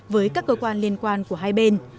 với các cơ quan liên quan của hai bên